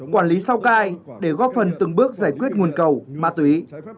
quản lý sao cai để góp phần từng bước giải quyết nguồn cầu ma túy